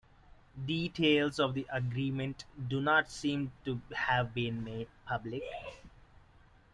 Details of the agreement do not seem to have been made public.